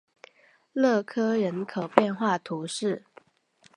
勒科人口变化图示